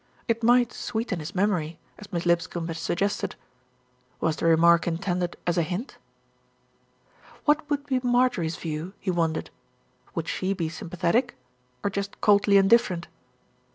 It might "sweeten his memory," as Miss Lipscombe had sug gested. Was the remark intended as a hint? What would be Marjorie's view? he wondered. Would she be sympathetic, or just coldly indifferent?